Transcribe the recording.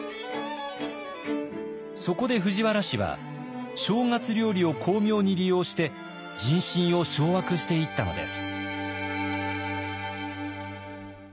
そこで藤原氏は正月料理を巧妙に利用して人心を掌握していったのです。